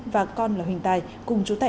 và con là huỳnh tài cùng chú tệ